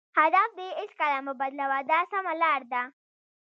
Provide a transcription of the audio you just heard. هدف دې هېڅکله مه بدلوه دا سمه لار ده.